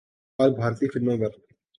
اور بھارتی فلموں پر